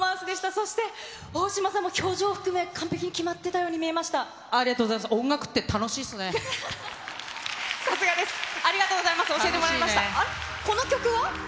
そして大島さんも、表情含め、完璧に決まってたように見えありがとうございます。